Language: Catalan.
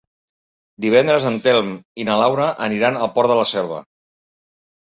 Divendres en Telm i na Laura aniran al Port de la Selva.